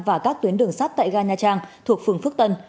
và các tuyến đường sắt tại ga nha trang thuộc phường phước tân